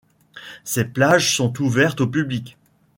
Ces plages sont ouvertes au public.